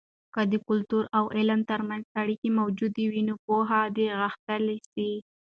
که د کلتور او علم ترمنځ اړیکې موجودې وي، نو پوهه به غښتلې سي.